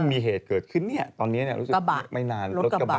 มีเหตุเกิดขึ้นเนี่ยตอนนี้รถกระบะ